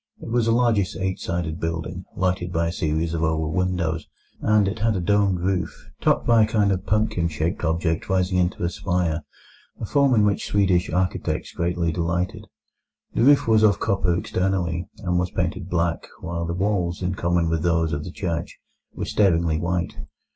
It was a largish eight sided building, lighted by a series of oval windows, and it had a domed roof, topped by a kind of pumpkin shaped object rising into a spire, a form in which Swedish architects greatly delighted. The roof was of copper externally, and was painted black, while the walls, in common with those of the church, were staringly white.